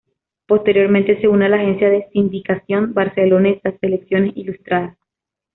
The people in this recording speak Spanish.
Posteriormente se une a la agencia de sindicación barcelonesa Selecciones Ilustradas.